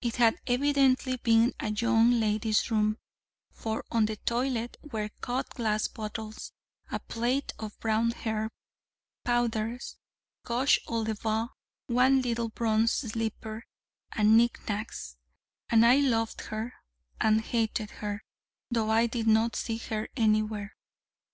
It had evidently been a young lady's room: for on the toilette were cut glass bottles, a plait of brown hair, powders, rouge aux lèvres, one little bronze slipper, and knick knacks, and I loved her and hated her, though I did not see her anywhere.